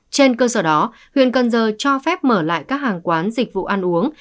trên cơ sở đó huyện cần giờ cho phép mở lại các hàng quán dịch vụ ăn uống